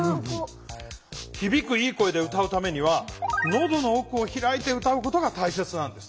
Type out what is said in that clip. ひびくいい声で歌うためにはのどの奥を開いて歌うことが大切なんです。